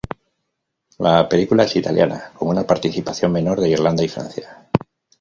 La película es italiana con una participación menor de Irlanda y Francia.